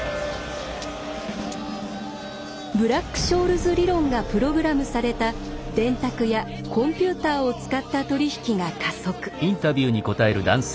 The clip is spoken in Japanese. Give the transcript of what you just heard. ブラック・ショールズ理論がプログラムされた電卓やコンピューターを使った取り引きが加速。